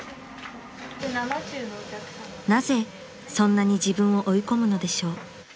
［なぜそんなに自分を追い込むのでしょう？］